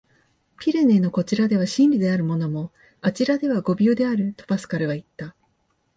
「ピレネーのこちらでは真理であるものも、あちらでは誤謬である」、とパスカルはいった。